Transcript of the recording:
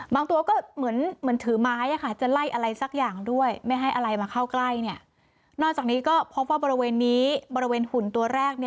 ตัวก็เหมือนถือไม้จะไล่อะไรสักอย่างด้วยไม่ให้อะไรมาเข้าใกล้นอกจากนี้ก็พบว่าบริเวณนี้บริเวณหุ่นตัวแรก